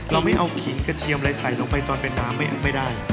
เราไม่เอาขิงกระเทียมอะไรใส่ลงไปตอนเป็นน้ำไม่ได้